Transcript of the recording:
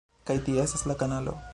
Kaj tie estas la kanalo...